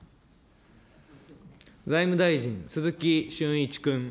財務大臣、鈴木俊一君。